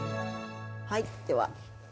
はい、では。